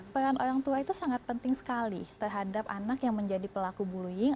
peran orang tua itu sangat penting sekali terhadap anak yang menjadi pelaku bullying